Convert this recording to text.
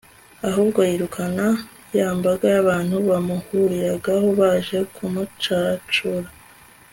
ahubwo yirukana ya mbaga y'abantu bamuhuriragaho baje kumucacura